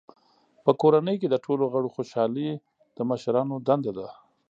په کورنۍ کې د ټولو غړو خوشحالي د مشرانو دنده ده.